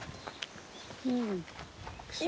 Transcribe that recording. うん。